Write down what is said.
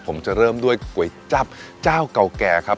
ผมจะเริ่มด้วยก๋วยจับเจ้าเก่าแก่ครับ